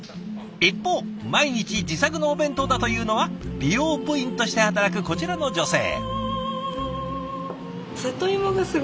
一方毎日自作のお弁当だというのは美容部員として働くこちらの女性。